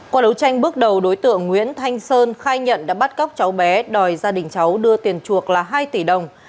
qua đấu tranh bước đầu đối tượng nguyễn thanh sơn khai nhận đã bắt cóc cháu bé đòi gia đình cháu đưa tiền chuộc là hai tỷ đồng